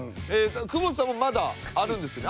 久保田さんもまだあるんですね？